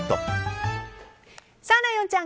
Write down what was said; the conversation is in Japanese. ライオンちゃん